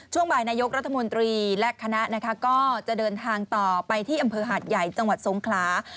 ช่วงบ่ายนายกรัฐมนตรีและคณะนะคะก็จะเดินทางต่อไปที่อำเภอหาดใหญ่จังหวัดสงขลา